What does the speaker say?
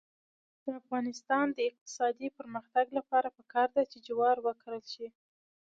د افغانستان د اقتصادي پرمختګ لپاره پکار ده چې جوار وکرل شي.